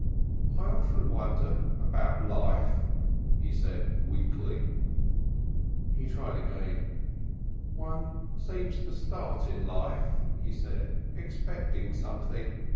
"I often wonder about life," he said weakly. He tried again. "One seems to start in life," he said, "expecting something.